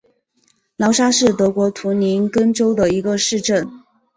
劳沙是德国图林根州的一个市镇。